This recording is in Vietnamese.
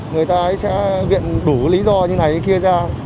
người ta sẽ viện đủ lý do như này kia ra